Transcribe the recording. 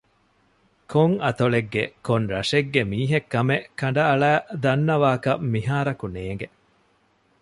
ކޮން އަތޮޅެއްގެ ކޮން ރަށެއްގެ މީހެއް ކަމެއް ކަނޑައަޅައި ދަންނަވާކަށް މިހާރަކު ނޭނގެ